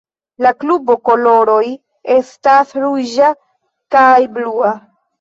La klubo koloroj estas ruĝa kaj blua.